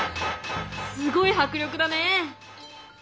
すごい迫力だね！